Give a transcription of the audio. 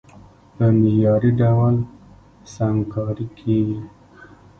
په معياري ډول سنګکاري کېږي،